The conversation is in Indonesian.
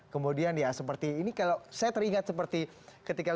kemudian ya seperti ini kalau saya teringat seperti ketika